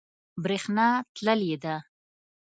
بریښنا تللی ده